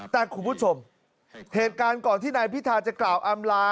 แต่คุณผู้ชมเหตุการณ์ก่อนที่นายพิธาจะกล่าวอำลา